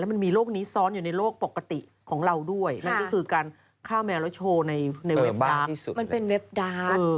แล้วมันมีโรคนี้ซ้อนอยู่ในโรคปกติของเราด้วยค่ะนั่นก็คือการฆ่าแมวแล้วโชว์ในในเว็บดาร์ทเออบ้าที่สุดเลย